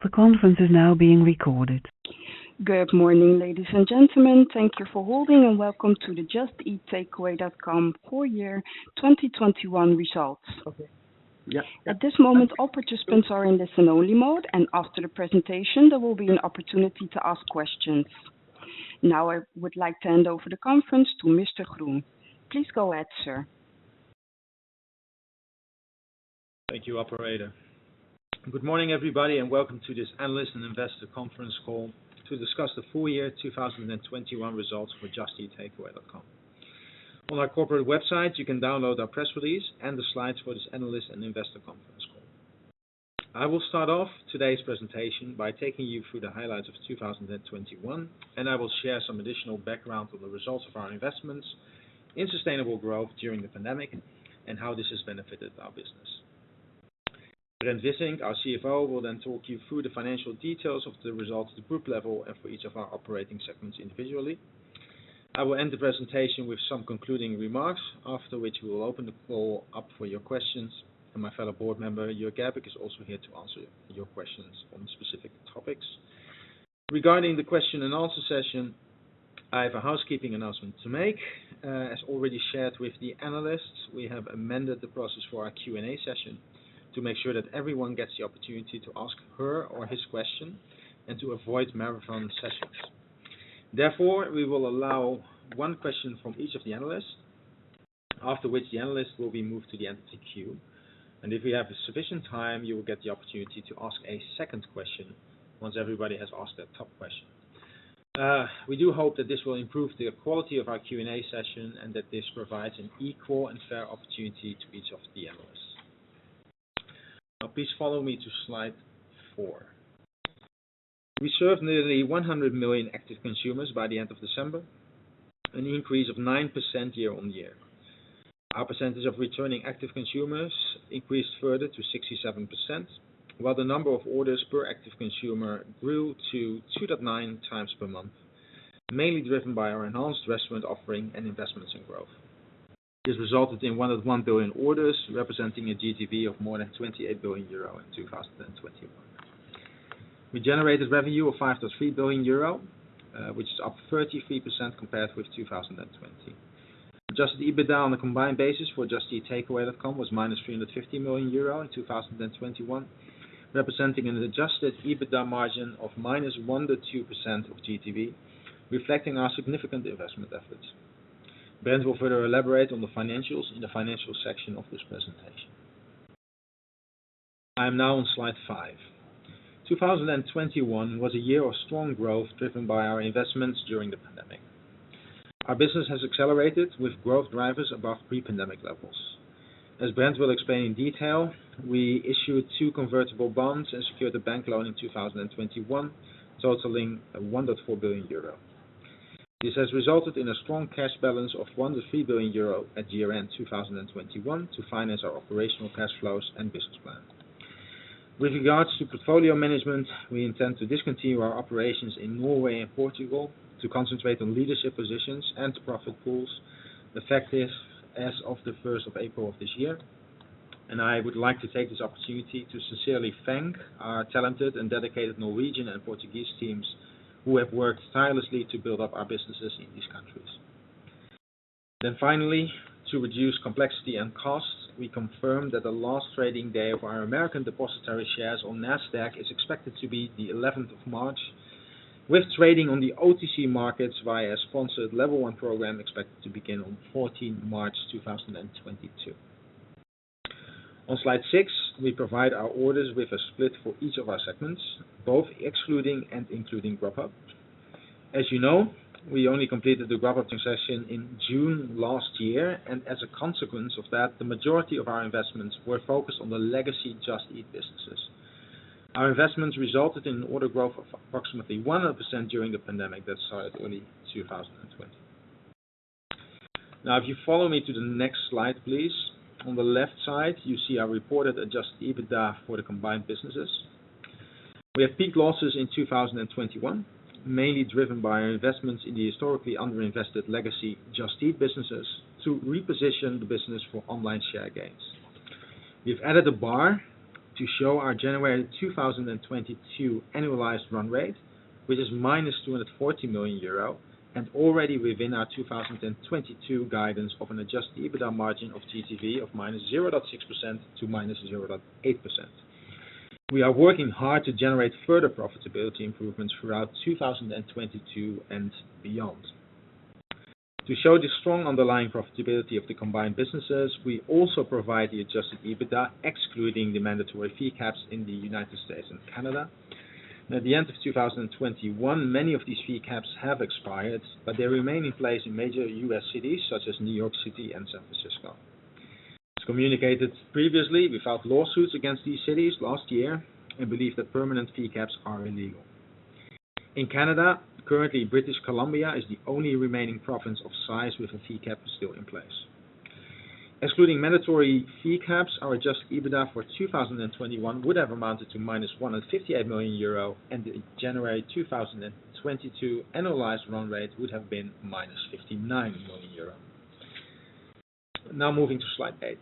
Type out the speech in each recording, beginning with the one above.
The conference is now being recorded. Good morning, ladies and gentlemen. Thank you for holding and welcome to the Just Eat Takeaway.com full year 2021 results. At this moment, all participants are in listen only mode and after the presentation, there will be an opportunity to ask questions. Now, I would like to hand over the conference to Jitse Groen. Please go ahead, sir. Thank you, Operator. Good morning, everybody, and welcome to this analyst and investor conference call to discuss the full year 2021 results for Just Eat Takeaway.com. On our corporate website, you can download our press release and the slides for this analyst and investor conference call. I will start off today's presentation by taking you through the highlights of 2021, and I will share some additional background on the results of our investments in sustainable growth during the pandemic and how this has benefited our business. Brent Wissink, our CFO, will then talk you through the financial details of the results at the group level and for each of our operating segments individually. I will end the presentation with some concluding remarks, after which we will open the call up for your questions. My fellow board member, Jörg Gerbig, is also here to answer your questions on specific topics. Regarding the question and answer session, I have a housekeeping announcement to make. As already shared with the analysts, we have amended the process for our Q&A session to make sure that everyone gets the opportunity to ask her or his question and to avoid marathon sessions. Therefore, we will allow one question from each of the analysts, after which the analyst will be moved to the end of the queue. If we have sufficient time, you will get the opportunity to ask a second question once everybody has asked their top question. We do hope that this will improve the quality of our Q&A session and that this provides an equal and fair opportunity to each of the analysts. Now, please follow me to slide four. We served nearly 100 million active consumers by the end of December, an increase of 9% year-on-year. Our percentage of returning active consumers increased further to 67%, while the number of orders per active consumer grew to 2.9x per month, mainly driven by our enhanced restaurant offering and investments in growth. This resulted in 1.1 billion orders, representing a GTV of more than 28 billion euro in 2021. We generated revenue of 5.3 billion euro, which is up 33% compared with 2020. Adjusted EBITDA on a combined basis for Just Eat Takeaway.com was -350 million euro in 2021, representing an adjusted EBITDA margin of -1.2% of GTV, reflecting our significant investment efforts. Brent will further elaborate on the financials in the financial section of this presentation. I am now on slide five. 2021 was a year of strong growth driven by our investments during the pandemic. Our business has accelerated with growth drivers above pre-pandemic levels. As Brent will explain in detail, we issued two convertible bonds and secured a bank loan in 2021, totaling 1.4 billion euro. This has resulted in a strong cash balance of 1.3 billion euro at year-end 2021 to finance our operational cash flows and business plan. With regards to portfolio management, we intend to discontinue our operations in Norway and Portugal to concentrate on leadership positions and profit pools effective as of April 1st of this year. I would like to take this opportunity to sincerely thank our talented and dedicated Norwegian and Portuguese teams who have worked tirelessly to build up our businesses in these countries. Finally, to reduce complexity and costs, we confirm that the last trading day of our American Depositary Shares on Nasdaq is expected to be the 11th of March, with trading on the OTC markets via a sponsored level one program expected to begin on 14th March 2022. On slide six, we provide our orders with a split for each of our segments, both excluding and including Grubhub. As you know, we only completed the Grubhub transaction in June last year, and as a consequence of that, the majority of our investments were focused on the legacy Just Eat businesses. Our investments resulted in order growth of approximately 100% during the pandemic that started early 2020. Now, if you follow me to the next slide, please. On the left side, you see our reported adjusted EBITDA for the combined businesses. We have peak losses in 2021, mainly driven by our investments in the historically underinvested legacy Just Eat businesses to reposition the business for online share gains. We've added a bar to show our January 2022 annualized run rate, which is -240 million euro and already within our 2022 guidance of an adjusted EBITDA margin of GTV of -0.6% to -0.8%. We are working hard to generate further profitability improvements throughout 2022 and beyond. To show the strong underlying profitability of the combined businesses, we also provide the adjusted EBITDA excluding the mandatory fee caps in the United States and Canada. At the end of 2021, many of these fee caps have expired, but they remain in place in major U.S. cities such as New York City and San Francisco. As communicated previously, we filed lawsuits against these cities last year and believe that permanent fee caps are illegal. In Canada, currently, British Columbia is the only remaining province of size with a fee cap still in place. Excluding mandatory fee caps, our adjusted EBITDA for 2021 would have amounted to -158 million euro, and the January 2022 annualized run rate would have been -59 million euro. Now moving to slide eight.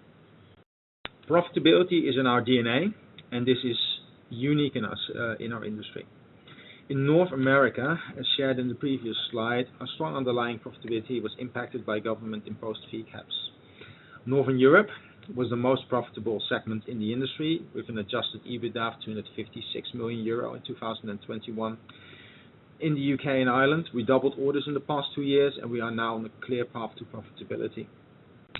Profitability is in our DNA, and this is unique in us, in our industry. In North America, as shared in the previous slide, our strong underlying profitability was impacted by government imposed fee caps. Northern Europe was the most profitable segment in the industry with an adjusted EBITDA of 256 million euro in 2021. In the U.K. and Ireland, we doubled orders in the past two years, and we are now on a clear path to profitability.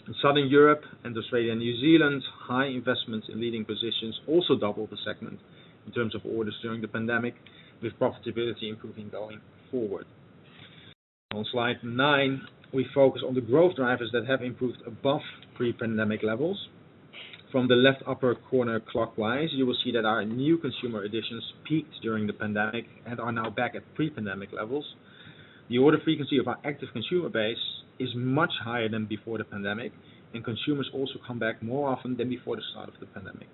In Southern Europe and Australia and New Zealand, high investments in leading positions also doubled the segment in terms of orders during the pandemic, with profitability improving going forward. On slide nine, we focus on the growth drivers that have improved above pre-pandemic levels. From the left upper corner clockwise, you will see that our new consumer additions peaked during the pandemic and are now back at pre-pandemic levels. The order frequency of our active consumer base is much higher than before the pandemic, and consumers also come back more often than before the start of the pandemic.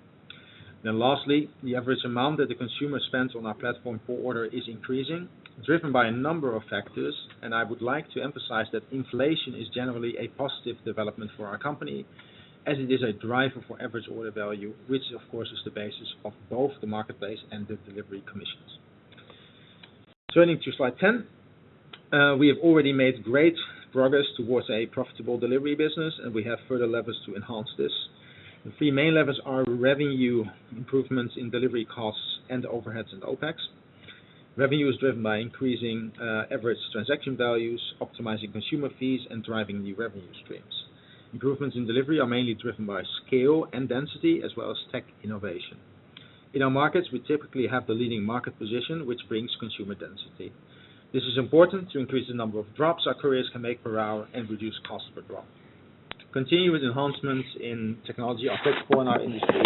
Lastly, the average amount that the consumer spends on our platform per order is increasing, driven by a number of factors. I would like to emphasize that inflation is generally a positive development for our company, as it is a driver for average order value, which of course is the basis of both the marketplace and the delivery commissions. Turning to slide 10, we have already made great progress towards a profitable delivery business, and we have further levers to enhance this. The three main levers are revenue improvements in delivery costs and overheads and OpEx. Revenue is driven by increasing average transaction values, optimizing consumer fees, and driving new revenue streams. Improvements in delivery are mainly driven by scale and density, as well as tech innovation. In our markets, we typically have the leading market position, which brings consumer density. This is important to increase the number of drops our couriers can make per hour and reduce cost per drop. Continuous enhancements in technology are critical in our industry,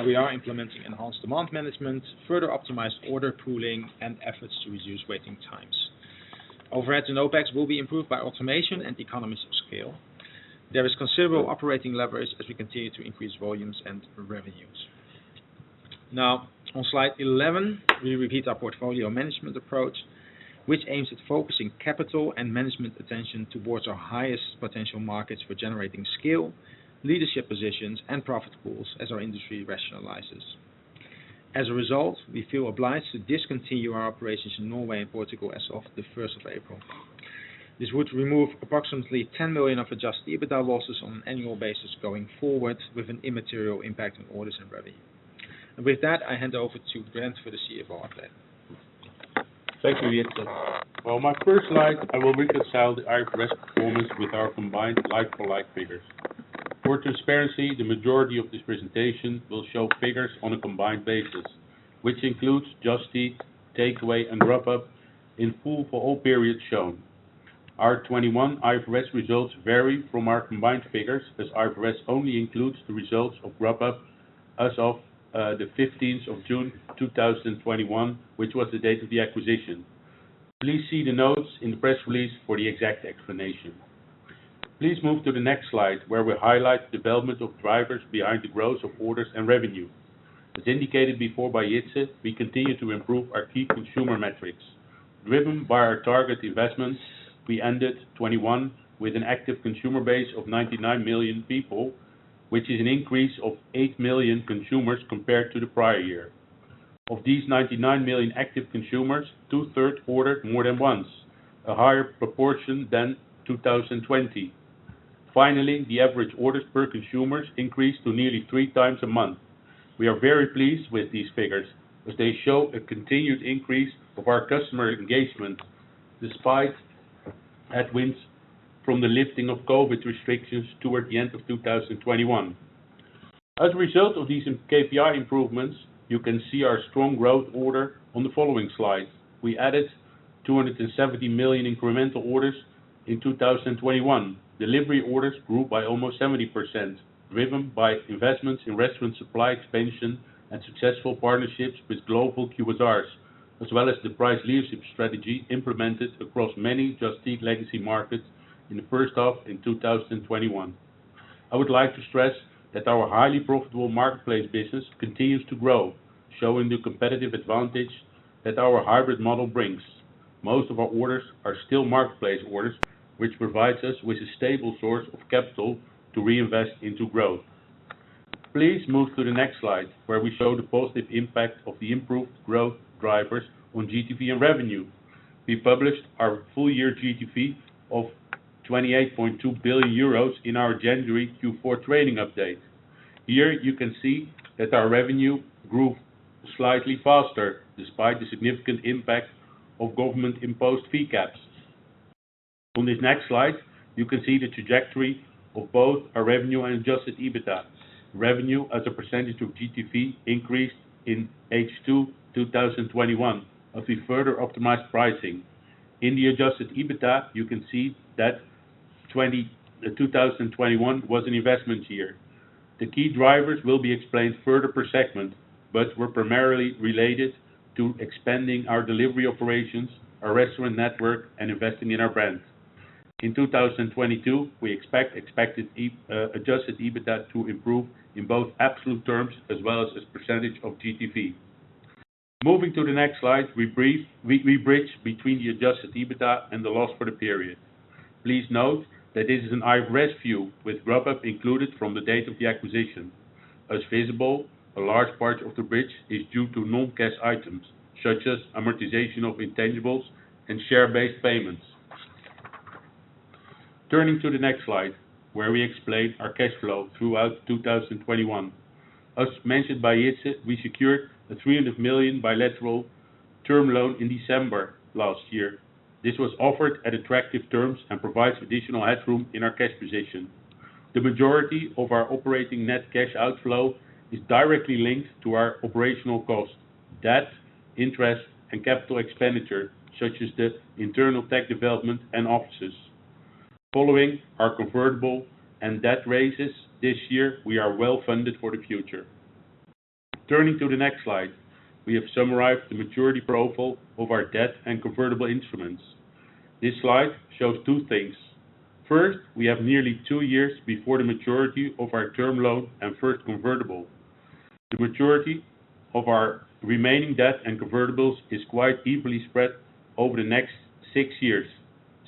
and we are implementing enhanced demand management, further optimized order pooling, and efforts to reduce waiting times. Overhead and OpEx will be improved by automation and economies of scale. There is considerable operating leverage as we continue to increase volumes and revenues. Now, on slide 11, we repeat our portfolio management approach, which aims at focusing capital and management attention towards our highest potential markets for generating scale, leadership positions, and profit pools as our industry rationalizes. As a result, we feel obliged to discontinue our operations in Norway and Portugal as of the first of April. This would remove approximately 10 million of adjusted EBITDA losses on an annual basis going forward with an immaterial impact on orders and revenue. With that, I hand over to Brent for the CFO update. Thank you, Jitse. For my first slide, I will reconcile the iFood results performance with our combined like for like figures. For transparency, the majority of this presentation will show figures on a combined basis, which includes Just Eat, Takeaway, and Grubhub in full for all periods shown. Our 2021 iFood results vary from our combined figures as iFood results only includes the results of Grubhub as of the 15th of June 2021, which was the date of the acquisition. Please see the notes in the press release for the exact explanation. Please move to the next slide, where we highlight the development of drivers behind the growth of orders and revenue. As indicated before by Jitse, we continue to improve our key consumer metrics. Driven by our target investments, we ended 2021 with an active consumer base of 99 million people, which is an increase of 8 million consumers compared to the prior year. Of these 99 million active consumers, two-thirds ordered more than once, a higher proportion than 2020. Finally, the average orders per consumers increased to nearly three times a month. We are very pleased with these figures as they show a continued increase of our customer engagement despite headwinds from the lifting of COVID restrictions toward the end of 2021. As a result of these KPI improvements, you can see our strong order growth on the following slide. We added 270 million incremental orders in 2021. Delivery orders grew by almost 70%, driven by investments in restaurant supply expansion and successful partnerships with global QSRs, as well as the price leadership strategy implemented across many Just Eat legacy markets in the first half of 2021. I would like to stress that our highly profitable marketplace business continues to grow, showing the competitive advantage that our hybrid model brings. Most of our orders are still marketplace orders, which provides us with a stable source of capital to reinvest into growth. Please move to the next slide where we show the positive impact of the improved growth drivers on GTV and revenue. We published our full-year GTV of 28.2 billion euros in our January Q4 trading update. Here you can see that our revenue grew slightly faster despite the significant impact of government-imposed fee caps. On this next slide, you can see the trajectory of both our revenue and adjusted EBITDA. Revenue as a percentage of GTV increased in H2 2021 as we further optimized pricing. In the adjusted EBITDA, you can see that 2021 was an investment year. The key drivers will be explained further per segment, but were primarily related to expanding our delivery operations, our restaurant network, and investing in our brands. In 2022, we expected adjusted EBITDA to improve in both absolute terms as well as its percentage of GTV. Moving to the next slide, we bridge between the adjusted EBITDA and the loss for the period. Please note that this is an IFRS view with Grubhub included from the date of the acquisition. As visible, a large part of the bridge is due to non-cash items, such as amortization of intangibles and share-based payments. Turning to the next slide, where we explain our cash flow throughout 2021. As mentioned by Jitse, we secured a 300 million bilateral term loan in December last year. This was offered at attractive terms and provides additional headroom in our cash position. The majority of our operating net cash outflow is directly linked to our operational costs, debt, interest, and capital expenditure, such as the internal tech development and offices. Following our convertible and debt raises this year, we are well funded for the future. Turning to the next slide, we have summarized the maturity profile of our debt and convertible instruments. This slide shows two things. First, we have nearly two years before the maturity of our term loan and first convertible. The maturity of our remaining debt and convertibles is quite evenly spread over the next six years.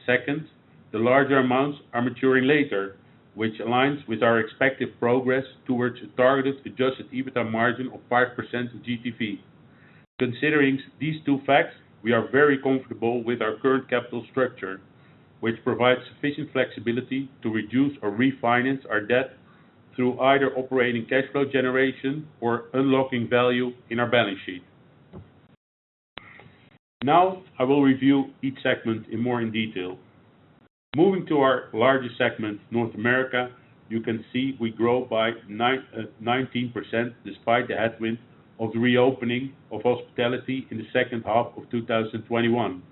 Second, the larger amounts are maturing later, which aligns with our expected progress towards a targeted adjusted EBITDA margin of 5% GTV. Considering these two facts, we are very comfortable with our current capital structure, which provides sufficient flexibility to reduce or refinance our debt through either operating cash flow generation or unlocking value in our balance sheet. Now, I will review each segment in more detail. Moving to our largest segment, North America, you can see we grow by 19% despite the headwind of the reopening of hospitality in the second half of 2021.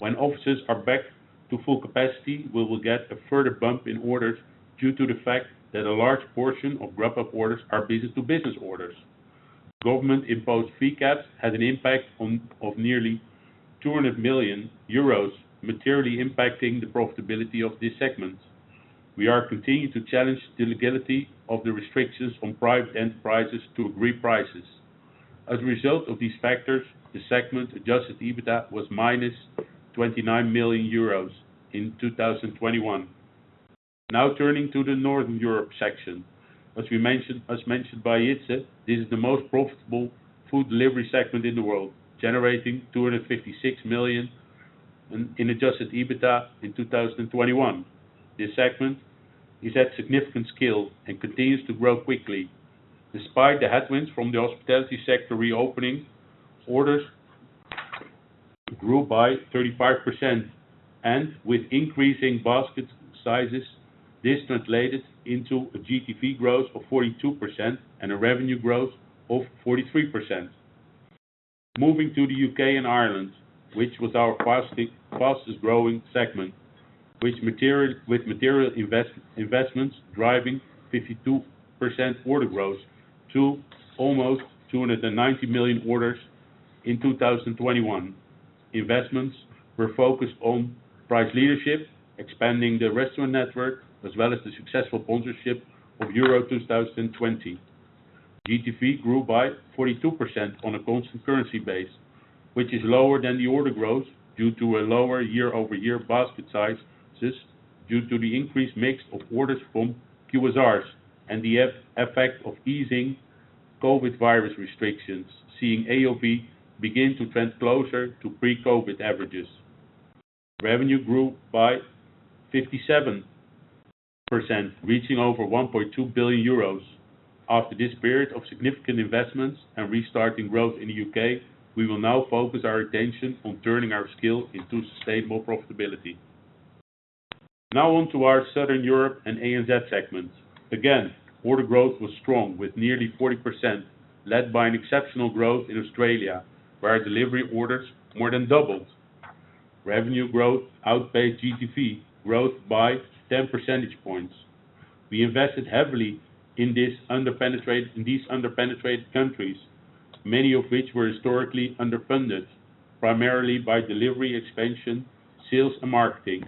When offices are back to full capacity, we will get a further bump in orders due to the fact that a large portion of Grubhub orders are business-to-business orders. Government-imposed fee caps had an impact of nearly 200 million euros, materially impacting the profitability of this segment. We are continuing to challenge the legality of the restrictions on private enterprises to agree prices. As a result of these factors, the segment adjusted EBITDA was -29 million euros in 2021. Now turning to the Northern Europe section. As we mentioned by Jitse, this is the most profitable food delivery segment in the world, generating 256 million in adjusted EBITDA in 2021. This segment is at significant scale and continues to grow quickly. Despite the headwinds from the hospitality sector reopening, orders grew by 35%, and with increasing basket sizes, this translated into a GTV growth of 42% and a revenue growth of 43%. Moving to the U.K. and Ireland, which was our fastest growing segment, materially with material investments driving 52% order growth to almost 290 million orders in 2021. Investments were focused on price leadership, expanding the restaurant network, as well as the successful sponsorship of UEFA EURO 2020. GTV grew by 42% on a constant currency base, which is lower than the order growth due to a lower year-over-year basket sizes due to the increased mix of orders from QSRs and the effect of easing COVID virus restrictions, seeing AOV begin to trend closer to pre-COVID averages. Revenue grew by 57%, reaching over 1.2 billion euros. After this period of significant investments and restarting growth in the U.K., we will now focus our attention on turning our scale into sustainable profitability. Now on to our Southern Europe and ANZ segments. Again, order growth was strong with nearly 40%, led by an exceptional growth in Australia, where our delivery orders more than doubled. Revenue growth outpaced GTV growth by 10 percentage points. We invested heavily in these underpenetrated countries, many of which were historically underfunded, primarily by delivery expansion, sales and marketing.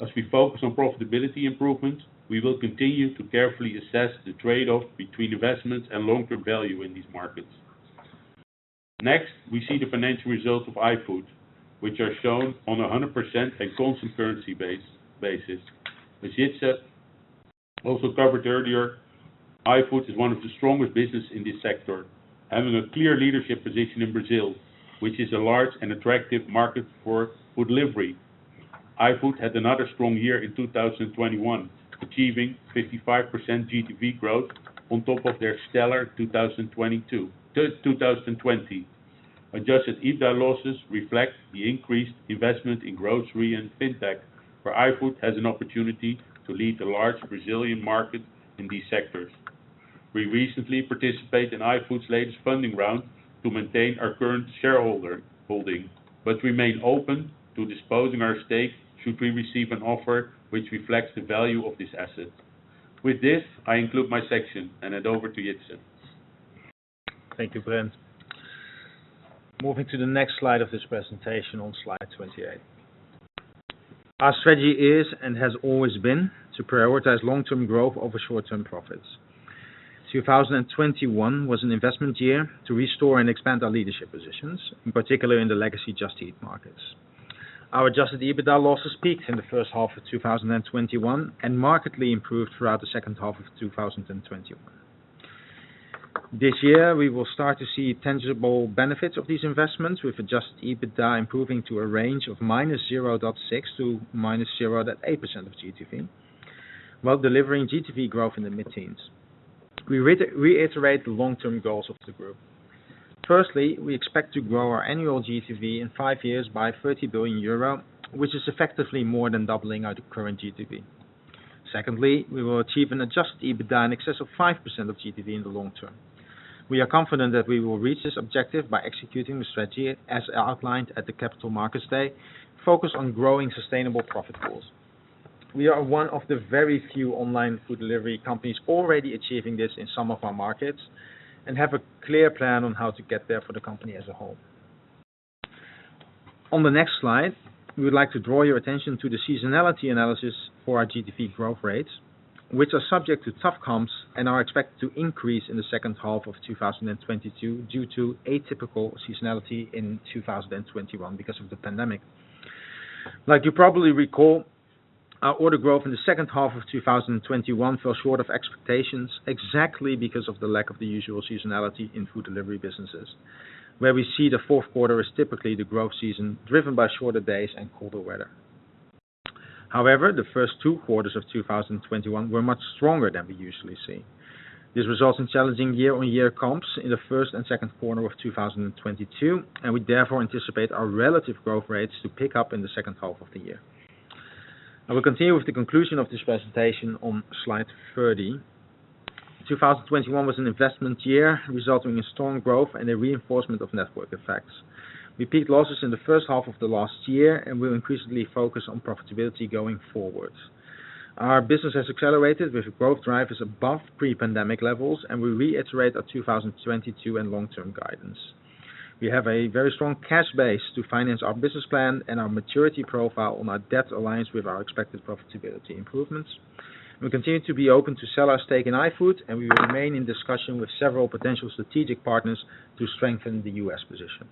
As we focus on profitability improvement, we will continue to carefully assess the trade-off between investment and long-term value in these markets. Next, we see the financial results of iFood, which are shown on a 100% and constant currency basis. As Jitse also covered earlier, iFood is one of the strongest business in this sector, having a clear leadership position in Brazil, which is a large and attractive market for food delivery. iFood had another strong year in 2021, achieving 55% GTV growth on top of their stellar 2020. Adjusted EBITDA losses reflect the increased investment in grocery and fintech, where iFood has an opportunity to lead the large Brazilian market in these sectors. We recently participated in iFood's latest funding round to maintain our current shareholder holding, but remain open to disposing our stake should we receive an offer which reflects the value of this asset. With this, I conclude my section and hand over to Jitse. Thank you, Brent. Moving to the next slide of this presentation on slide 28. Our strategy is and has always been to prioritize long term growth over short term profits. 2021 was an investment year to restore and expand our leadership positions, in particular in the legacy Just Eat markets. Our adjusted EBITDA losses peaked in the first half of 2021 and markedly improved throughout the second half of 2021. This year we will start to see tangible benefits of these investments with adjusted EBITDA improving to a range of -0.6% to -0.8% of GTV, while delivering GTV growth in the mid-teens. We reiterate the long term goals of the group. Firstly, we expect to grow our annual GTV in five years by 30 billion euro, which is effectively more than doubling our current GTV. Secondly, we will achieve an adjusted EBITDA in excess of 5% of GTV in the long term. We are confident that we will reach this objective by executing the strategy as outlined at the Capital Markets Day, focused on growing sustainable profit pools. We are one of the very few online food delivery companies already achieving this in some of our markets and have a clear plan on how to get there for the company as a whole. On the next slide, we would like to draw your attention to the seasonality analysis for our GTV growth rates, which are subject to tough comps and are expected to increase in the second half of 2022 due to atypical seasonality in 2021 because of the pandemic. Like you probably recall, our order growth in the second half of 2021 fell short of expectations exactly because of the lack of the usual seasonality in food delivery businesses, where we see the fourth quarter is typically the growth season, driven by shorter days and colder weather. However, the first two quarters of 2021 were much stronger than we usually see. This results in challenging year-on-year comps in the first and second quarter of 2022, and we therefore anticipate our relative growth rates to pick up in the second half of the year. I will continue with the conclusion of this presentation on slide 30. 2021 was an investment year resulting in strong growth and a reinforcement of network effects. We peaked losses in the first half of the last year, and we're increasingly focused on profitability going forward. Our business has accelerated with growth drivers above pre-pandemic levels, and we reiterate our 2022 and long-term guidance. We have a very strong cash base to finance our business plan and our maturity profile on our debt aligns with our expected profitability improvements. We continue to be open to selling our stake in iFood, and we will remain in discussion with several potential strategic partners to strengthen the U.S. position.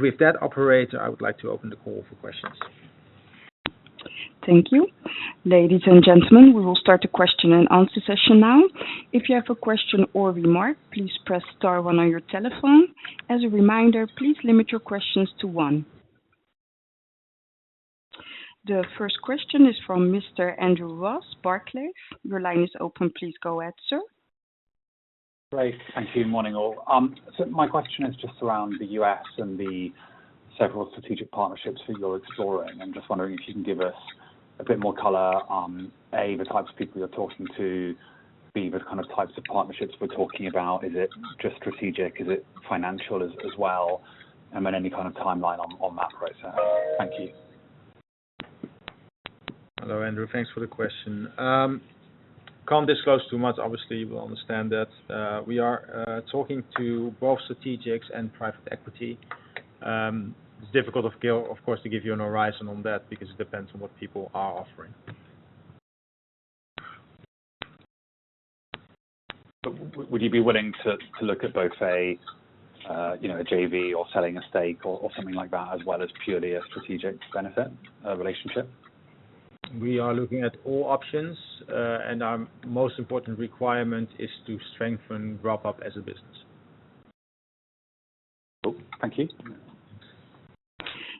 With that, Operator, I would like to open the call for questions. Thank you. Ladies and gentlemen, we will start the question and answer session now. If you have a question or remark, please press star one on your telephone. As a reminder, please limit your questions to one. The first question is from Mr. Andrew Ross, Barclays. Your line is open. Please go ahead, sir. Great. Thank you. Morning, all. My question is just around the U.S. and the several strategic partnerships that you're exploring. I'm just wondering if you can give us a bit more color on, A, the types of people you're talking to, B, the kind of types of partnerships we're talking about. Is it just strategic? Is it financial as well? Then any kind of timeline on that right now? Thank you. Hello, Andrew. Thanks for the question. Can't disclose too much. Obviously, you'll understand that we are talking to both strategics and private equity. It's difficult, of course, to give you a horizon on that because it depends on what people are offering. Would you be willing to look at both a, you know, a JV or selling a stake or something like that, as well as purely a strategic benefit relationship? We are looking at all options, and our most important requirement is to strengthen Drop as a business. Cool. Thank you.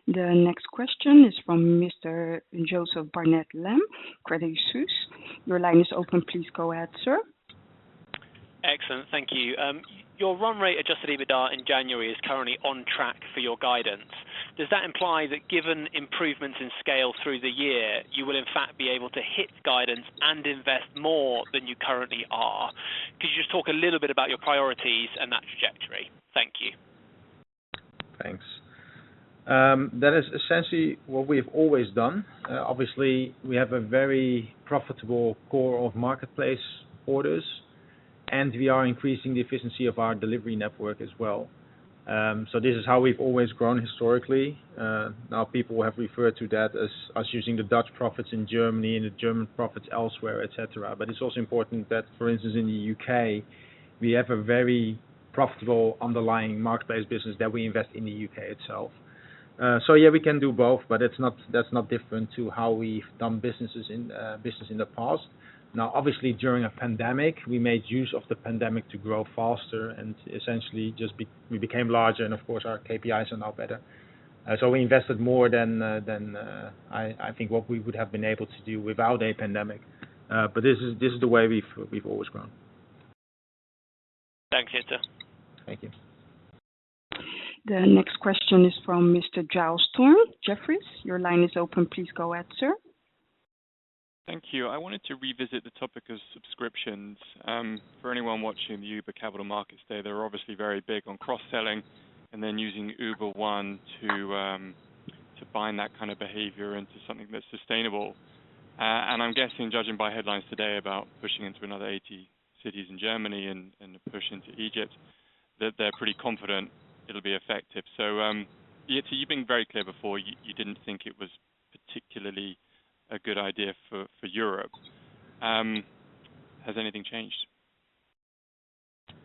The next question is from Mr. Joseph Barnet-Lamb, Credit Suisse. Your line is open. Please go ahead, sir. Excellent. Thank you. Your run rate adjusted EBITDA in January is currently on track for your guidance. Does that imply that given improvements in scale through the year, you will in fact be able to hit guidance and invest more than you currently are? Could you just talk a little bit about your priorities and that trajectory? Thank you. Thanks. That is essentially what we have always done. Obviously, we have a very profitable core of marketplace orders, and we are increasing the efficiency of our delivery network as well. This is how we've always grown historically. Now people have referred to that as us using the Dutch profits in Germany and the German profits elsewhere, et cetera. It's also important that, for instance, in the U.K., we have a very profitable underlying marketplace business that we invest in the U.K. itself. Yeah, we can do both, but it's not, that's not different to how we've done business in the past. Now, obviously, during a pandemic, we made use of the pandemic to grow faster and essentially just we became larger, and of course, our KPIs are now better. We invested more than I think what we would have been able to do without a pandemic. This is the way we've always grown. Thanks, Jitse. Thank you. The next question is from Mr. Giles Thorne, Jefferies. Your line is open. Please go ahead, sir. Thank you. I wanted to revisit the topic of subscriptions. For anyone watching the Uber Capital Markets Day, they're obviously very big on cross-selling and then using Uber One to bind that kind of behavior into something that's sustainable. I'm guessing, judging by headlines today about pushing into another 80 cities in Germany and the push into Egypt, that they're pretty confident it'll be effective. Jitse, you've been very clear before, you didn't think it was particularly a good idea for Europe. Has anything changed?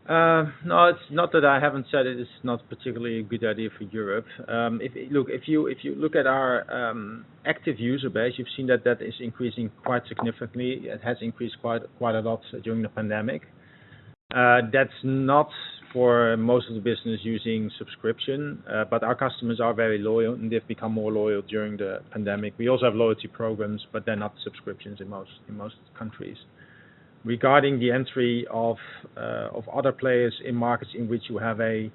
No. It's not that I haven't said it is not particularly a good idea for Europe. If you look at our active user base, you've seen that is increasing quite significantly. It has increased quite a lot during the pandemic. That's not for most of the business using subscription, but our customers are very loyal, and they've become more loyal during the pandemic. We also have loyalty programs, but they're not subscriptions in most countries. Regarding the entry of other players in markets in which you have a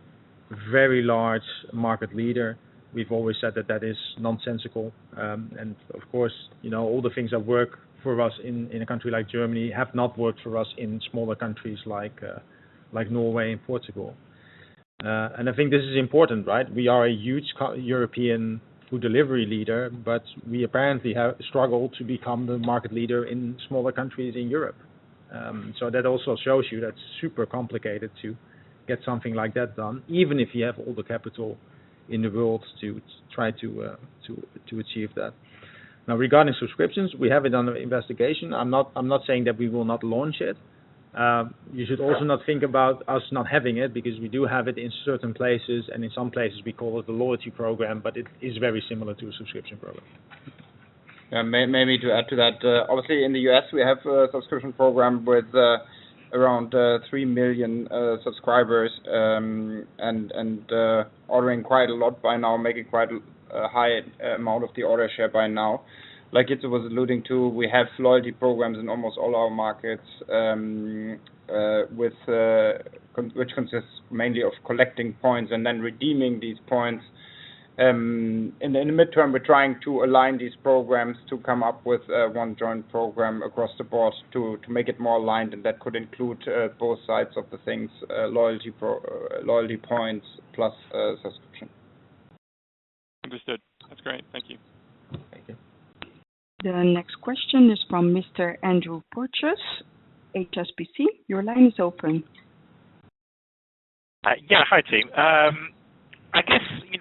very large market leader, we've always said that is nonsensical. Of course, you know, all the things that work for us in a country like Germany have not worked for us in smaller countries like Norway and Portugal. I think this is important, right? We are a huge European food delivery leader, but we apparently have struggled to become the market leader in smaller countries in Europe. That also shows you that it's super complicated to get something like that done, even if you have all the capital in the world to try to achieve that. Now, regarding subscriptions, we have it under investigation. I'm not saying that we will not launch it. You should also not think about us not having it, because we do have it in certain places, and in some places, we call it the loyalty program, but it is very similar to a subscription program. Maybe to add to that, obviously in the U.S., we have a subscription program with around 3 million subscribers, and ordering quite a lot by now, making quite a high amount of the order share by now. Like Jitse was alluding to, we have loyalty programs in almost all our markets, with which consists mainly of collecting points and then redeeming these points. In the midterm, we're trying to align these programs to come up with one joint program across the board to make it more aligned, and that could include both sides of the things, loyalty points plus subscription. Understood. That's great. Thank you. Thank you. The next question is from Mr. Andrew Porteous, HSBC. Your line is open. Yeah. Hi, team. I guess, you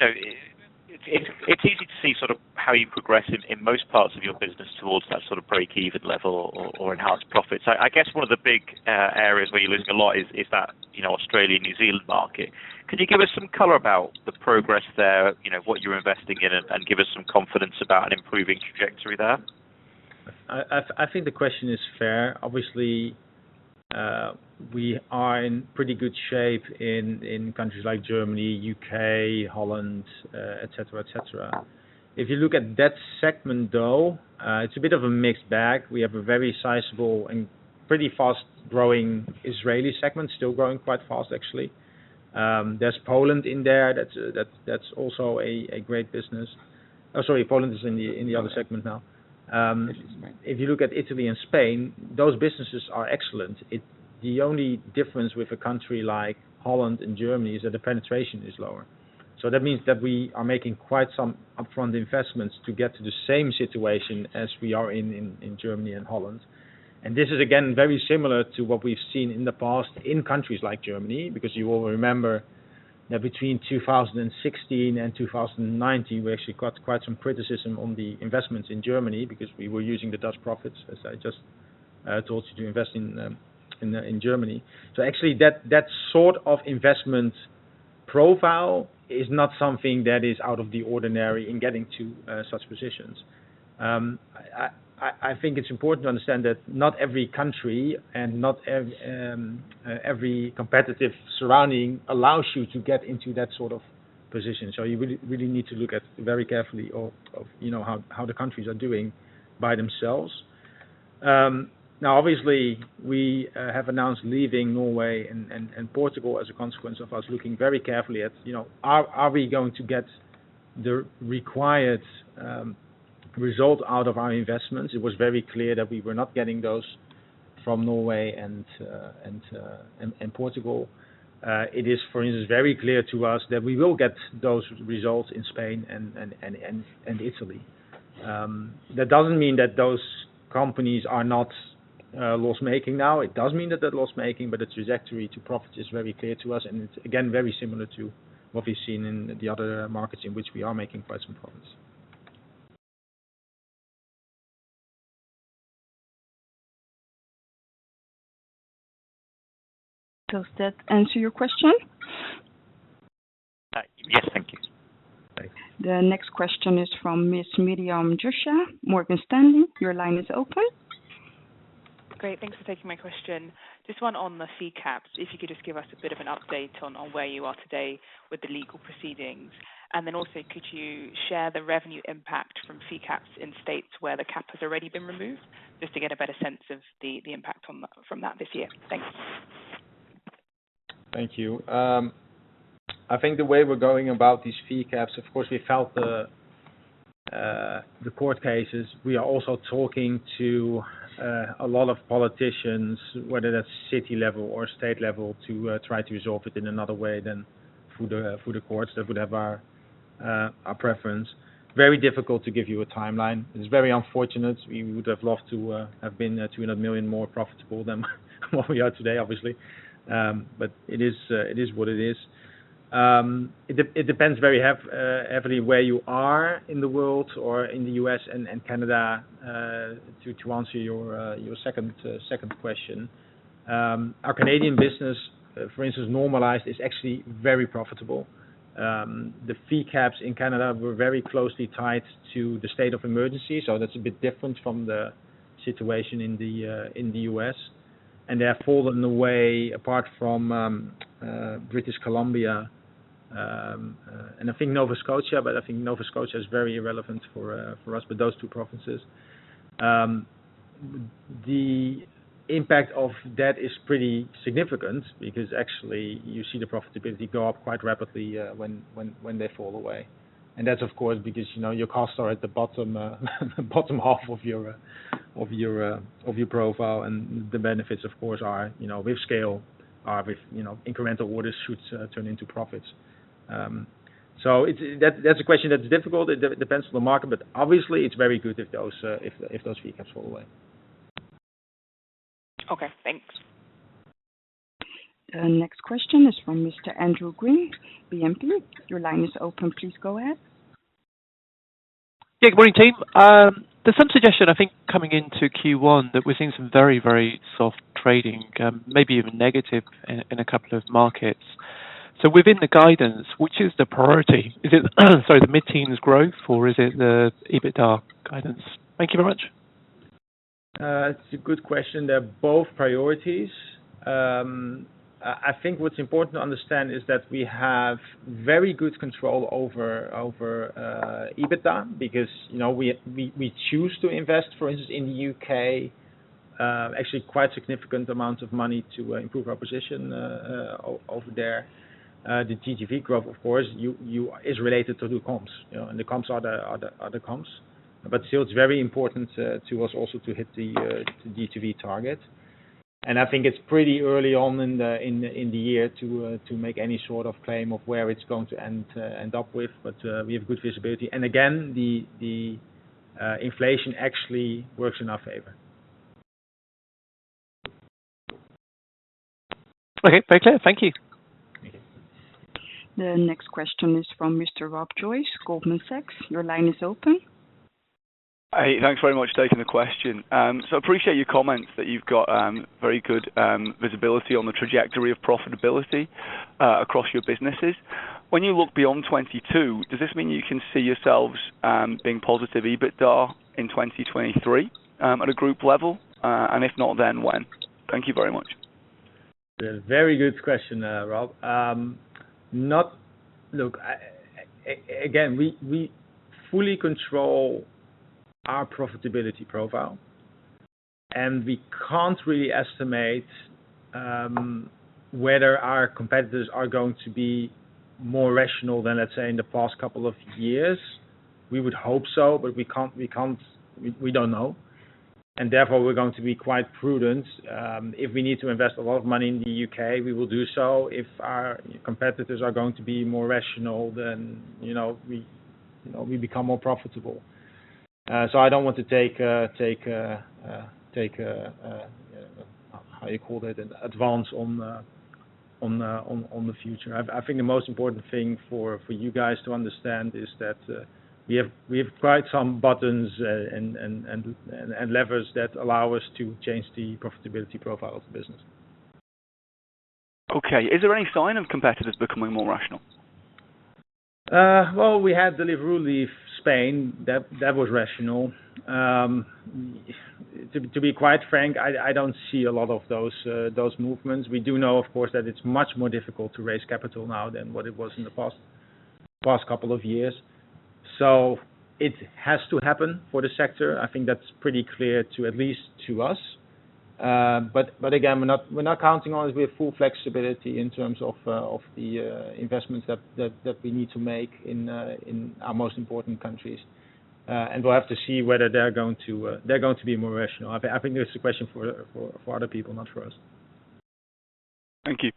know, it's easy to see sort of how you've progressed in most parts of your business towards that sort of breakeven level or enhanced profits. I guess one of the big areas where you're losing a lot is that, you know, Australia, New Zealand market. Could you give us some color about the progress there, you know, what you're investing in and give us some confidence about an improving trajectory there? I think the question is fair. Obviously, we are in pretty good shape in countries like Germany, U.K., Holland, et cetera, et cetera. If you look at that segment, though, it's a bit of a mixed bag. We have a very sizable and pretty fast growing Israeli segment, still growing quite fast actually. There's Poland in there. That's also a great business. Oh, sorry, Poland is in the other segment now. If you look at Italy and Spain, those businesses are excellent. The only difference with a country like Holland and Germany is that the penetration is lower. That means that we are making quite some upfront investments to get to the same situation as we are in Germany and Holland. This is again very similar to what we've seen in the past in countries like Germany, because you all remember that between 2016 and 2019, we actually got quite some criticism on the investments in Germany because we were using the Dutch profits, as I just told you, to invest in Germany. Actually, that sort of investment profile is not something that is out of the ordinary in getting to such positions. I think it's important to understand that not every country and not every competitive surrounding allows you to get into that sort of position. You really need to look very carefully at, you know, how the countries are doing by themselves. Now obviously, we have announced leaving Norway and Portugal as a consequence of us looking very carefully at, you know, are we going to get the required result out of our investments. It was very clear that we were not getting those from Norway and Portugal. It is, for instance, very clear to us that we will get those results in Spain and Italy. That doesn't mean that those companies are not loss-making now. It does mean that they're loss-making, but the trajectory to profit is very clear to us, and it's again, very similar to what we've seen in the other markets in which we are making quite some profits. Does that answer your question? Yes. Thank you. Thanks. The next question is from Miss Miriam Josiah, Morgan Stanley. Your line is open. Great. Thanks for taking my question. Just one on the fee caps, if you could just give us a bit of an update on where you are today with the legal proceedings? Also, could you share the revenue impact from fee caps in states where the cap has already been removed, just to get a better sense of the impact from that this year? Thanks. Thank you. I think the way we're going about these fee caps, of course, we felt the court cases. We are also talking to a lot of politicians, whether that's city level or state level, to try to resolve it in another way than through the courts that would have our preference. Very difficult to give you a timeline. It's very unfortunate. We would have loved to have been $200 million more profitable than what we are today, obviously. It is what it is. It depends very heavily where you are in the world or in the U.S. and Canada, to answer your second question. Our Canadian business, for instance, normalized, is actually very profitable. The fee caps in Canada were very closely tied to the state of emergency. That's a bit different from the situation in the U.S. They have fallen away apart from British Columbia and I think Nova Scotia, but I think Nova Scotia is very irrelevant for us, but those two provinces. The impact of that is pretty significant because actually you see the profitability go up quite rapidly when they fall away. That's of course because you know your costs are at the bottom half of your profile. The benefits of course are you know with scale are with you know incremental orders should turn into profits. That's a question that's difficult. It depends on the market, but obviously it's very good if those fee caps fall away. Okay, thanks. The next question is from Mr. Andrew Gwynn, BNP. Your line is open. Please go ahead. Yeah, good morning, team. There's some suggestion, I think, coming into Q1 that we're seeing some very, very soft trading, maybe even negative in a couple of markets. Within the guidance, which is the priority? Is it, sorry, the mid-teens growth or is it the EBITDA guidance? Thank you very much. It's a good question. They're both priorities. I think what's important to understand is that we have very good control over EBITDA because, you know, we choose to invest, for instance, in the U.K., actually quite significant amount of money to improve our position over there. The GTV growth, of course, is related to the comps, you know, and the comps are the comps. Still, it's very important to us also to hit the GTV target. I think it's pretty early on in the year to make any sort of claim of where it's going to end up with. We have good visibility. Again, the inflation actually works in our favor. Okay. Very clear. Thank you. The next question is from Mr. Rob Joyce, Goldman Sachs. Your line is open. Hey, thanks very much for taking the question. I appreciate your comments that you've got very good visibility on the trajectory of profitability across your businesses. When you look beyond 2022, does this mean you can see yourselves being positive EBITDA in 2023 at a group level? If not, then when? Thank you very much. Very good question, Rob. Look, again, we fully control our profitability profile, and we can't really estimate whether our competitors are going to be more rational than, let's say, in the past couple of years. We would hope so, but we can't. We don't know. Therefore, we're going to be quite prudent. If we need to invest a lot of money in the U.K., we will do so. If our competitors are going to be more rational then, you know, we become more profitable. So I don't want to take a, how you call it, an advance on the future. I think the most important thing for you guys to understand is that we have quite some buttons and levers that allow us to change the profitability profile of the business. Okay. Is there any sign of competitors becoming more rational? Well, we had Deliveroo leave Spain. That was rational. To be quite frank, I don't see a lot of those movements. We do know, of course, that it's much more difficult to raise capital now than what it was in the past couple of years. It has to happen for the sector. I think that's pretty clear at least to us. Again, we're not counting on it. We have full flexibility in terms of the investments that we need to make in our most important countries. We'll have to see whether they're going to be more rational. I think this is a question for other people, not for us. Thank you.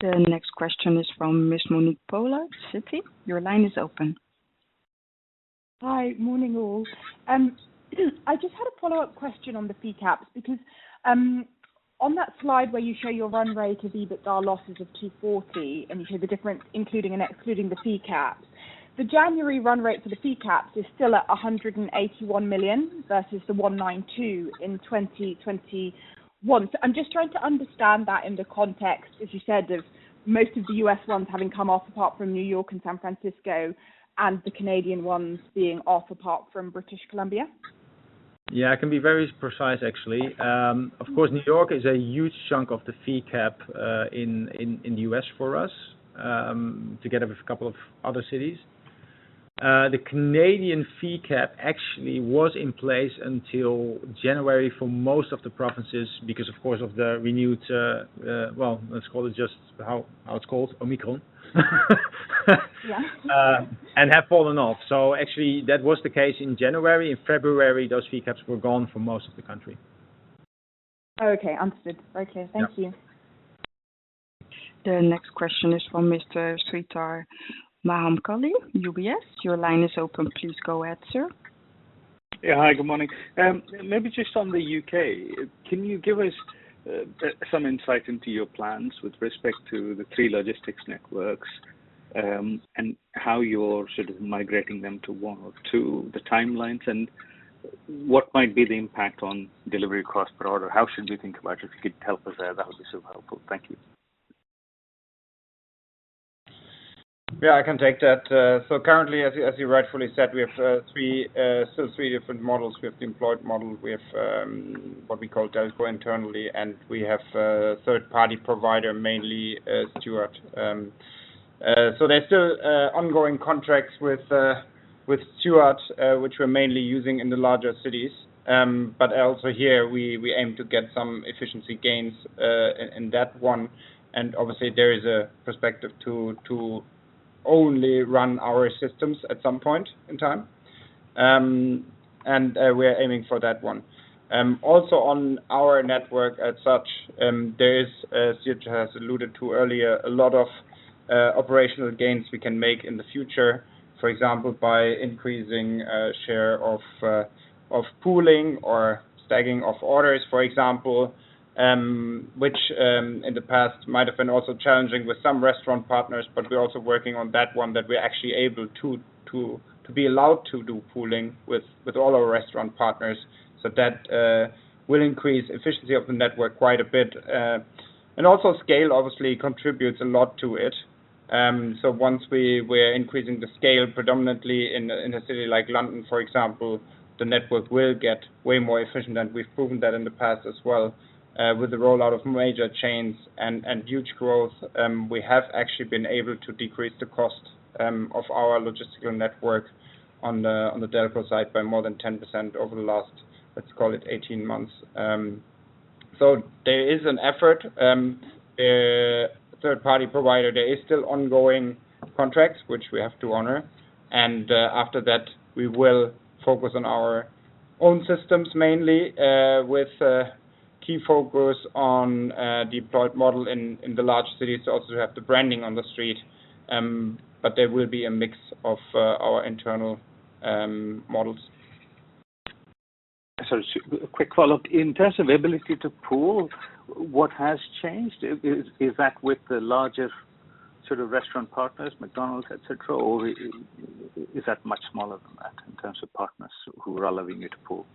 The next question is from Miss Monique Pollard, Citi. Your line is open. Hi. Morning, all. I just had a follow-up question on the fee caps, because, on that slide where you show your run rate of EBITDA losses of $240 million, and you show the difference including and excluding the fee caps. The January run rate for the fee caps is still at $181 million versus the $192 million in 2021. I'm just trying to understand that in the context, as you said, of most of the U.S. runs having come off apart from New York and San Francisco and the Canadian ones being off apart from British Columbia. Yeah, I can be very precise, actually. Of course, New York is a huge chunk of the fee cap in the U.S. for us, together with a couple of other cities. The Canadian fee cap actually was in place until January for most of the provinces because of course of the renewed, well, let's call it just how it's called, Omicron. Yeah. And have fallen off. Actually that was the case in January. In February, those fee caps were gone for most of the country. Okay, understood. Okay, thank you. The next question is from Mr. Sreedhar Mahamkali, UBS. Your line is open. Please go ahead, sir. Yeah. Hi, good morning. Maybe just on the U.K., can you give us some insight into your plans with respect to the three logistics networks, and how you're sort of migrating them to one or two, the timelines, and what might be the impact on delivery cost per order? How should we think about it? If you could help us there, that would be super helpful. Thank you. Yeah, I can take that. Currently, as you rightfully said, we have still three different models. We have deployment model, we have what we call Delco internally, and we have third-party provider, mainly Stuart. There's still ongoing contracts with Stuart, which we're mainly using in the larger cities. Also here we aim to get some efficiency gains in that one. Obviously there is a perspective to only run our systems at some point in time. We are aiming for that one. Also on our network as such, there is, as Sietse has alluded to earlier, a lot of operational gains we can make in the future, for example, by increasing share of pooling or stacking of orders, for example, which in the past might have been also challenging with some restaurant partners, but we're also working on that one that we're actually able to be allowed to do pooling with all our restaurant partners. That will increase efficiency of the network quite a bit. Also scale obviously contributes a lot to it. Once we're increasing the scale predominantly in a city like London, for example, the network will get way more efficient, and we've proven that in the past as well. With the rollout of major chains and huge growth, we have actually been able to decrease the cost of our logistical network on the Delco side by more than 10% over the last, let's call it 18 months. There is an effort. Third-party provider, there is still ongoing contracts which we have to honor, and after that, we will focus on our own systems mainly, with key focus on deployment model in the large cities. Also, we have the branding on the street, but there will be a mix of our internal models. Sorry, Jitse. Quick follow-up. In terms of ability to pool, what has changed? Is that with the larger sort of restaurant partners, McDonald's, et cetera, or is that much smaller than that in terms of partners who are allowing you to pool?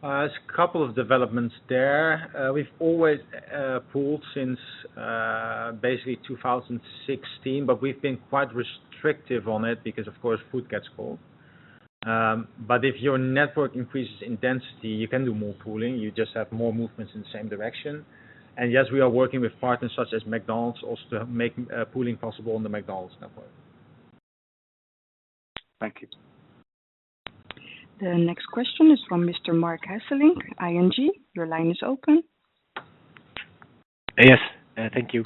There's a couple of developments there. We've always pooled since basically 2016, but we've been quite restrictive on it because, of course, food gets cold. If your network increases in density, you can do more pooling. You just have more movements in the same direction. Yes, we are working with partners such as McDonald's also to make pooling possible on the McDonald's network. Thank you. The next question is from Mr. Marc Hesselink, ING. Your line is open. Yes. Thank you.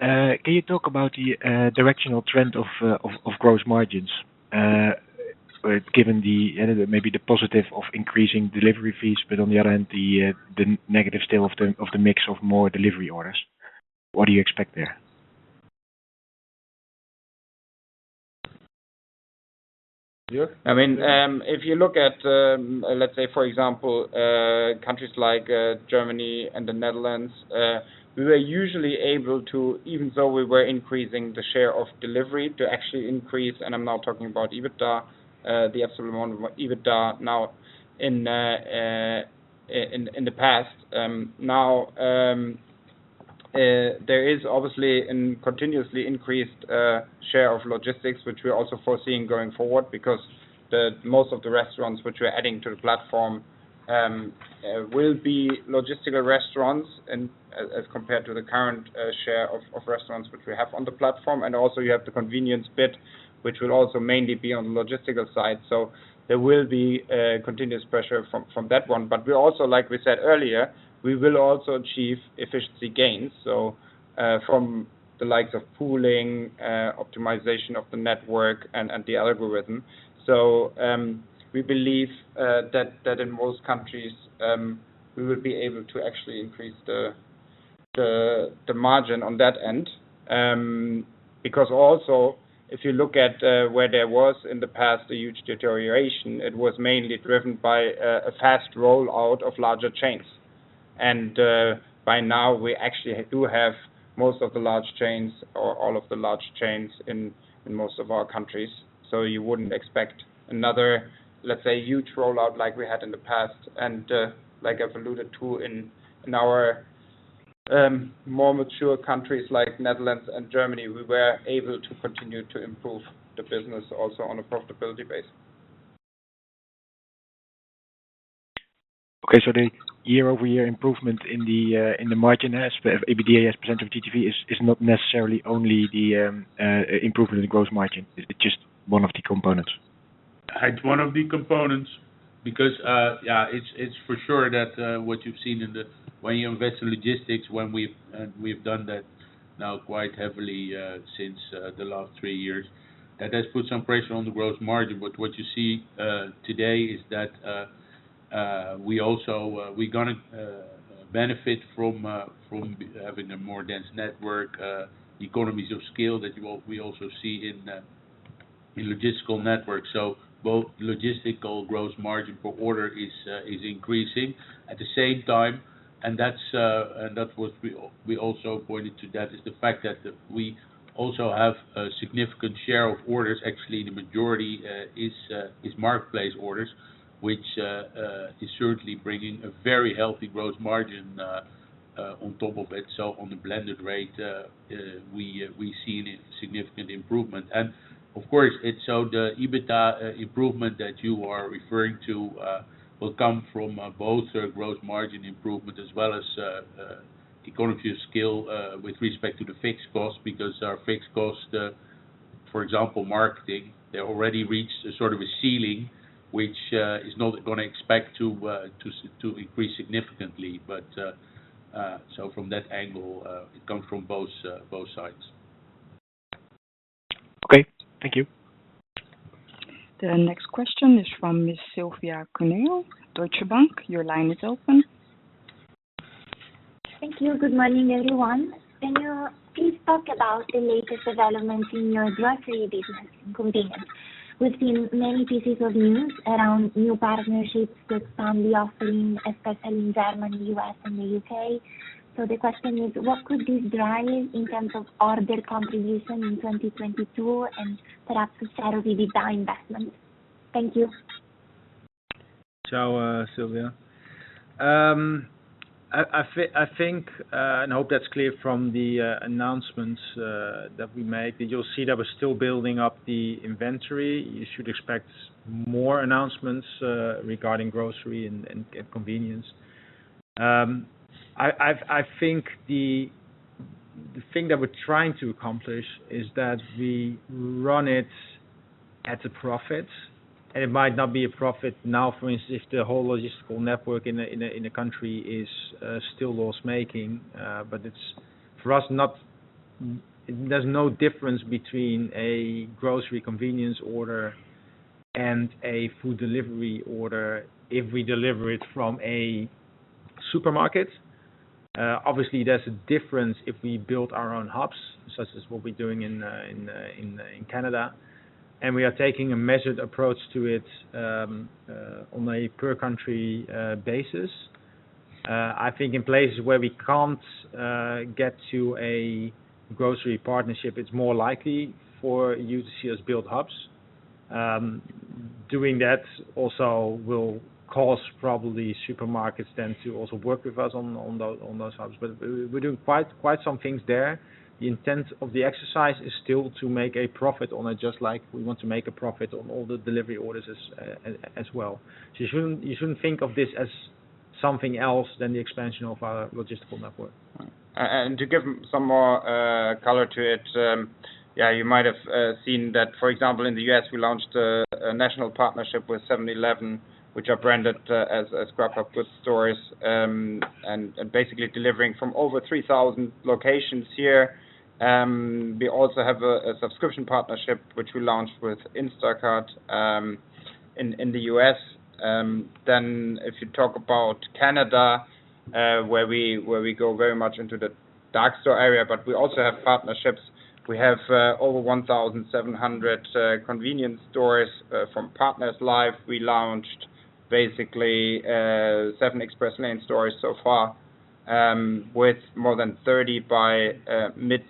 Can you talk about the directional trend of gross margins, given maybe the positive of increasing delivery fees, but on the other end, the negative still of the mix of more delivery orders? What do you expect there? I mean, if you look at, let's say for example, countries like Germany and the Netherlands, we were usually able to actually increase, even though we were increasing the share of delivery, and I'm now talking about EBITDA, the absolute EBITDA in the past. Now, there is obviously a continuously increasing share of logistics, which we're also foreseeing going forward because most of the restaurants which we're adding to the platform will be logistical restaurants and as compared to the current share of restaurants which we have on the platform. You also have the convenience bit, which will also mainly be on the logistical side. There will be continuous pressure from that one. We also, like we said earlier, we will also achieve efficiency gains. From the likes of pooling, optimization of the network and the algorithm. We believe that in most countries we will be able to actually increase the margin on that end. Because also if you look at where there was in the past a huge deterioration, it was mainly driven by a fast roll out of larger chains. By now we actually do have most of the large chains or all of the large chains in most of our countries. You wouldn't expect another, let's say, huge rollout like we had in the past. Like I've alluded to in our more mature countries like Netherlands and Germany, we were able to continue to improve the business also on a profitability base. Okay. The year-over-year improvement in the margin, as EBITDA, as percentage of GTV is not necessarily only the improvement in gross margin. It's just one of the components. It's one of the components because it's for sure that what you've seen when you invest in logistics, when we've done that. Now quite heavily since the last three years. That has put some pressure on the gross margin. What you see today is that we also we're gonna benefit from having a more dense network, economies of scale that we also see in the logistical network. Both logistical gross margin per order is increasing at the same time, and that's what we also pointed to, that is the fact that we also have a significant share of orders. Actually, the majority is marketplace orders, which is certainly bringing a very healthy gross margin on top of it. On the blended rate, we see a significant improvement. Of course, it showed the EBITDA improvement that you are referring to will come from both growth margin improvement as well as economies of scale with respect to the fixed costs. Because our fixed costs, for example, marketing, have already reached sort of a ceiling, which is not expected to increase significantly. From that angle, it comes from both sides. Okay. Thank you. The next question is from Miss Silvia Cuneo. Deutsche Bank, your line is open. Thank you. Good morning, everyone. Can you please talk about the latest development in your grocery business convenience? We've seen many pieces of news around new partnerships with family offering, especially in Germany, U.S., and the U.K. The question is, what could this drive in terms of order contribution in 2022 and perhaps share of the return investment? Thank you. Silvia, I think and hope that's clear from the announcements that we made, that you'll see that we're still building up the inventory. You should expect more announcements regarding grocery and convenience. I think the thing that we're trying to accomplish is that we run it at a profit, and it might not be a profit now, for instance, if the whole logistical network in a country is still loss-making. It's for us not. There's no difference between a grocery convenience order and a food delivery order if we deliver it from a supermarket. Obviously, there's a difference if we build our own hubs, such as what we're doing in Canada, and we are taking a measured approach to it on a per country basis. I think in places where we can't get to a grocery partnership, it's more likely for you to see us build hubs. Doing that also will cause probably supermarkets then to also work with us on those hubs. We're doing quite some things there. The intent of the exercise is still to make a profit on it, just like we want to make a profit on all the delivery orders as well. You shouldn't think of this as something else than the expansion of our logistical network. To give some more color to it, you might have seen that, for example, in the U.S., we launched a national partnership with 7-Eleven, which are branded as Grubhub stores and basically delivering from over 3,000 locations here. We also have a subscription partnership, which we launched with Instacart in the U.S. If you talk about Canada, where we go very much into the dark store area, but we also have partnerships. We have over 1,700 convenience stores from partners live. We launched basically Skip Express Lane stores so far, with more than 30 by mid of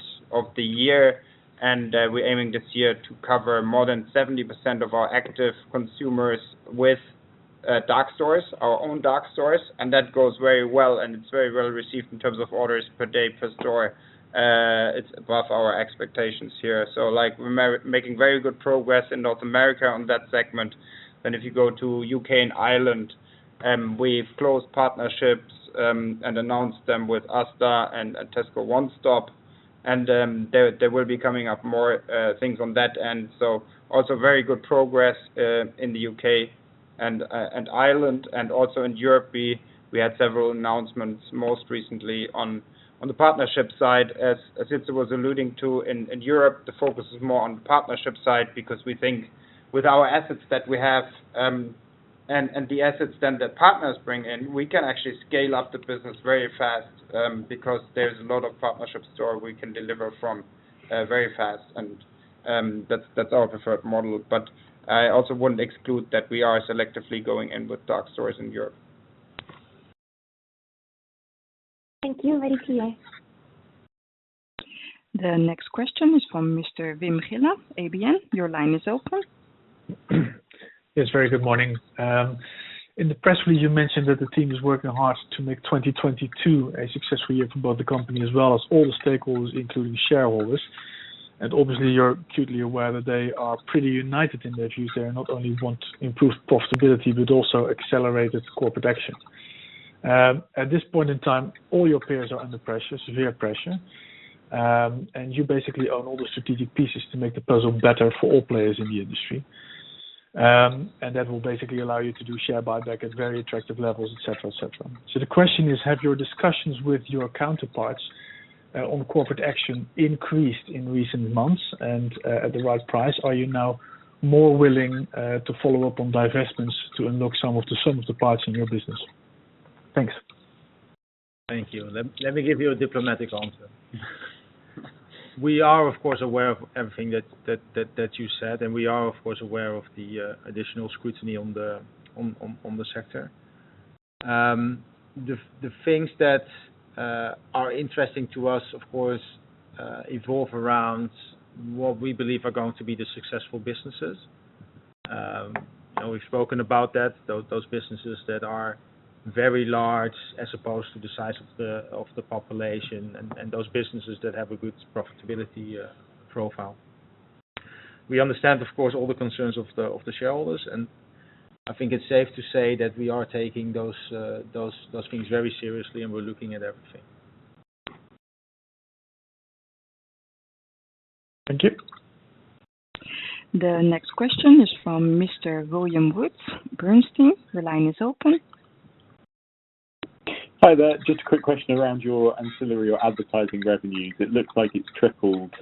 the year. We're aiming this year to cover more than 70% of our active consumers with dark stores, our own dark stores. That goes very well, and it's very well received in terms of orders per day per store. It's above our expectations here. Like, we're making very good progress in North America on that segment. If you go to U.K. and Ireland, we've closed partnerships and announced them with Asda and Tesco One Stop. There will be coming up more things on that. Also very good progress in the U.K. and Ireland and also in Europe. We had several announcements, most recently on the partnership side. As Jitse was alluding to, in Europe, the focus is more on partnership side because we think with our assets that we have, and the assets then that partners bring in, we can actually scale up the business very fast, because there's a lot of partnership store we can deliver from, very fast. That's our preferred model. I also wouldn't exclude that we are selectively going in with dark stores in Europe. Thank you. Very clear. The next question is from Mr. Wim Gille, ABN. Your line is open. Yes. Very good morning. In the press release, you mentioned that the team is working hard to make 2022 a successful year for both the company as well as all the stakeholders, including shareholders. Obviously you're acutely aware that they are pretty united in their views. They not only want improved profitability but also accelerated core production. At this point in time, all your peers are under pressure, severe pressure. You basically own all the strategic pieces to make the puzzle better for all players in the industry. That will basically allow you to do share buyback at very attractive levels, et cetera. The question is, have your discussions with your counterparts on corporate action increased in recent months and at the right price? Are you now more willing to follow up on divestments to unlock some of the parts in your business? Thanks. Thank you. Let me give you a diplomatic answer. We are of course aware of everything that you said, and we are of course aware of the additional scrutiny on the sector. The things that are interesting to us, of course, evolve around what we believe are going to be the successful businesses. We've spoken about that, those businesses that are very large as opposed to the size of the population and those businesses that have a good profitability profile. We understand of course all the concerns of the shareholders, and I think it's safe to say that we are taking those things very seriously and we're looking at everything. Thank you. The next question is from Mr. William Woods, Bernstein. Your line is open. Hi there. Just a quick question around your ancillary, your advertising revenues. It looks like it's tripled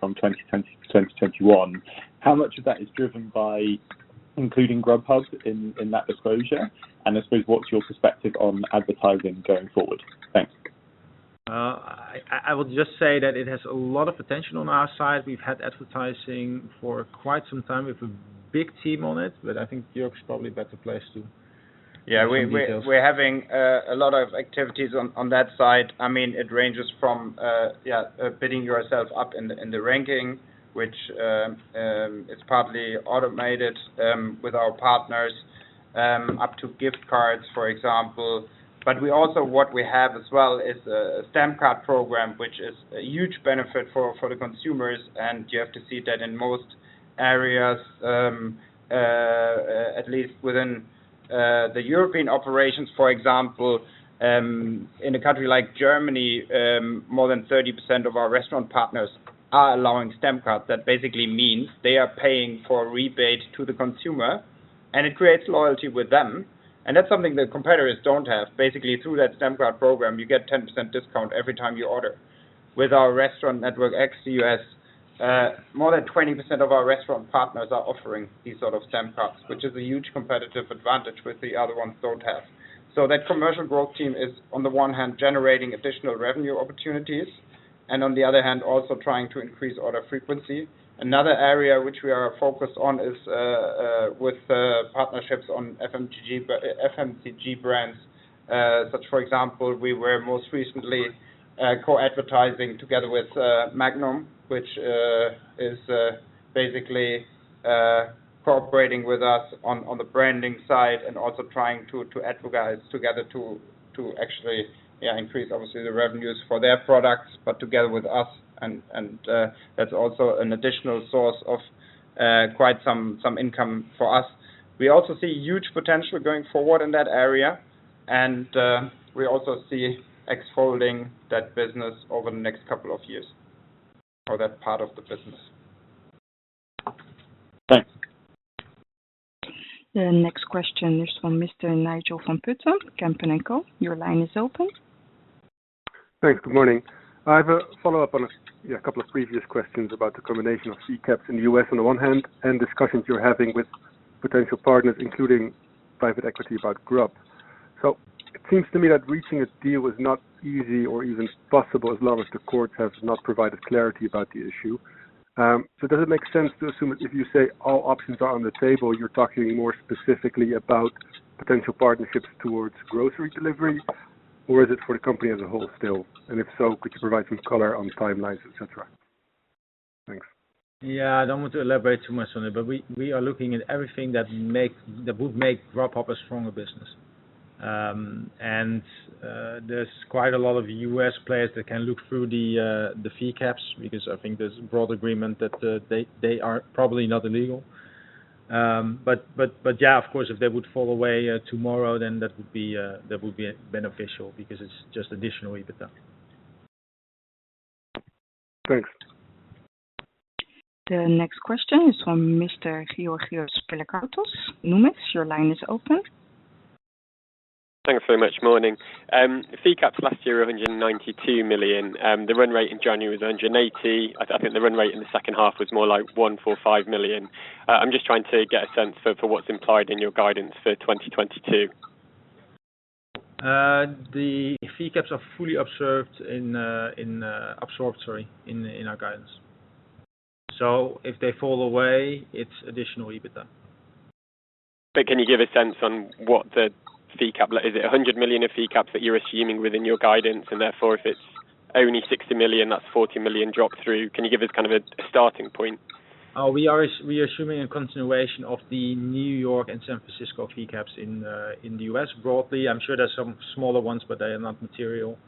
from 2020 to 2021. How much of that is driven by including Grubhub in that disclosure? I suppose what's your perspective on advertising going forward? Thanks. I would just say that it has a lot of potential on our side. We've had advertising for quite some time. We have a big team on it, but I think Jörg's probably a better place to give you details. Yeah. We're having a lot of activities on that side. I mean, it ranges from bidding yourself up in the ranking, which it's partly automated with our partners up to gift cards, for example. We also, what we have as well is a Stamp Card Program, which is a huge benefit for the consumers. You have to see that in most areas, at least within the European operations, for example, in a country like Germany, more than 30% of our restaurant partners are allowing stamp cards. That basically means they are paying for a rebate to the consumer, and it creates loyalty with them. That's something that competitors don't have. Basically, through that Stamp Card Program, you get 10% discount every time you order. With our restaurant network ex the U.S., more than 20% of our restaurant partners are offering these sort of stamp cards, which is a huge competitive advantage which the other ones don't have. That commercial growth team is, on the one hand, generating additional revenue opportunities, and on the other hand, also trying to increase order frequency. Another area which we are focused on is with partnerships on FMCG brands. Such for example, we were most recently co-advertising together with Magnum, which is basically cooperating with us on the branding side and also trying to advertise together to actually increase obviously the revenues for their products, but together with us and that's also an additional source of quite some income for us. We also see huge potential going forward in that area. We also see expanding that business over the next couple of years for that part of the business. Thanks. The next question is from Mr. Nigel van Putten, Kempen & Co. Your line is open. Thanks. Good morning. I have a follow-up on a, yeah, couple of previous questions about the combination of fee caps in the U.S. on the one hand, and discussions you're having with potential partners, including private equity about Grubhub. It seems to me that reaching a deal is not easy or even possible as long as the courts have not provided clarity about the issue. Does it make sense to assume if you say all options are on the table, you're talking more specifically about potential partnerships towards grocery delivery? Or is it for the company as a whole still? If so, could you provide some color on the timelines, et cetera? Thanks. Yeah. I don't want to elaborate too much on it, but we are looking at everything that would make Grubhub a stronger business. There's quite a lot of U.S. players that can look through the fee caps, because I think there's broad agreement that they are probably not illegal. Yeah, of course, if they would fall away tomorrow, then that would be beneficial because it's just additional EBITDA. Thanks. The next question is from Mr. Georgios Pilakoutas, Numis. Your line is open. Thanks so much. Morning. Fee caps last year of $192 million. The run rate in January was $180. I think the run rate in the second half was more like $145 million. I'm just trying to get a sense for what's implied in your guidance for 2022. The fee caps are fully observed in our guidance. If they fall away, it's additional EBITDA. Can you give a sense on what the fee cap, is it $100 million of fee caps that you're assuming within your guidance and therefore if it's only $60 million, that's $40 million drop through? Can you give us kind of a starting point? We are assuming a continuation of the New York and San Francisco fee caps in the U.S. broadly. I'm sure there's some smaller ones, but they are not material.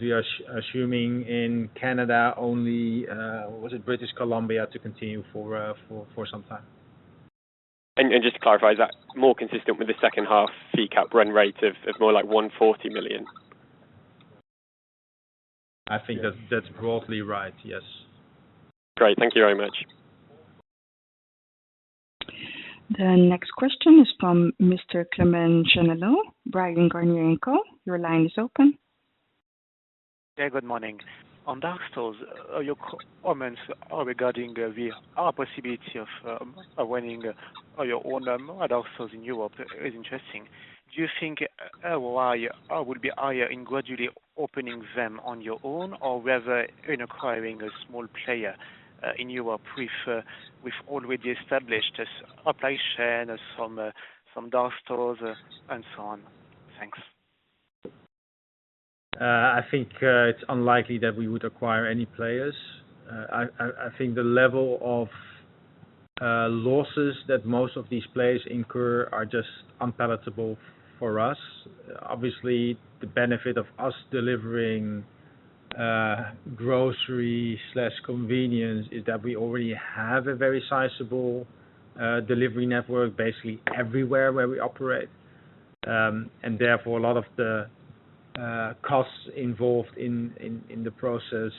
We are assuming in Canada only, was it British Columbia, to continue for some time. Just to clarify, is that more consistent with the second half fee cap run rate of more like $140 million? I think that's broadly right. Yes. Great. Thank you very much. The next question is from Mr. Clément Genelot, Bryan, Garnier & Co. Your line is open. Yeah. Good morning. On dark stores, are your comments regarding our possibility of opening your own dark stores in Europe is interesting. Do you think ROI would be higher in gradually opening them on your own, or whether in acquiring a small player in Europe with already established application, some dark stores and so on? Thanks. I think it's unlikely that we would acquire any players. I think the level of losses that most of these players incur are just unpalatable for us. Obviously, the benefit of us delivering grocery/convenience is that we already have a very sizable delivery network, basically everywhere where we operate. Therefore, a lot of the costs involved in the process,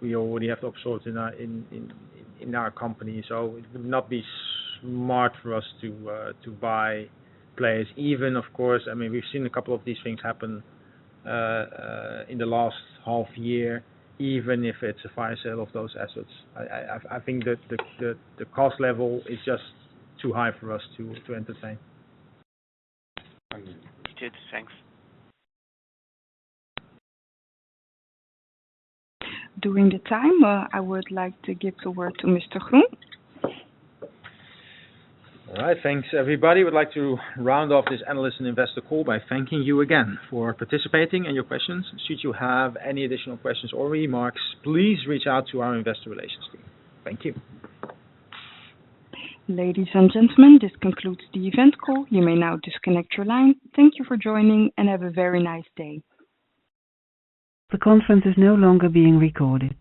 we already have absorbed in our company. It would not be smart for us to buy players. Even, of course, I mean, we've seen a couple of these things happen in the last half year, even if it's a fire sale of those assets. I think the cost level is just too high for us to entertain. Detailed. Thanks. At this time, I would like to give the word to Jitse Groen. All right. Thanks everybody. We'd like to round off this analyst and investor call by thanking you again for participating and your questions. Should you have any additional questions or remarks, please reach out to our investor relations team. Thank you. Ladies and gentlemen, this concludes the event call. You may now disconnect your line. Thank you for joining, and have a very nice day. The conference is no longer being recorded.